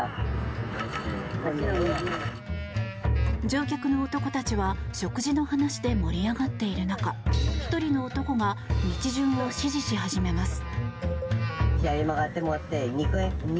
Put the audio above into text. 乗客の男たちは食事の話で盛り上がっている中１人の男が道順を指示し始めます。